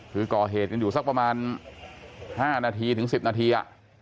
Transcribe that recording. คือก่อเหตุกันอยู่สักประมาณ๕นาทีถึง๑๐นาที